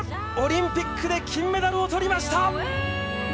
オリンピックで金メダルをとりました！